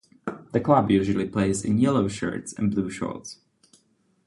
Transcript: The club usually plays in yellow shirts and blue shorts.